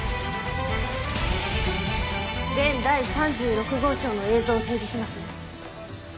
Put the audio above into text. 弁第３６号証の映像を提示します。